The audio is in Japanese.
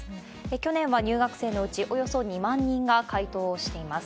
去年は入学生のうちおよそ２万人が回答をしています。